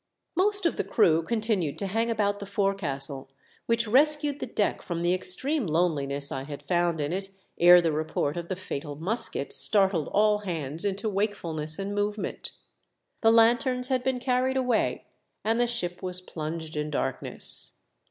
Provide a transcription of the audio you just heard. Most of the crew continued to hang about the forecastle, which rescued the deck from the extreme loneliness I had found in it ere the report of the fatal musket startled all hands into wakefulness and movement. The lanthorns had been carried away and the ship was plunged in darkness.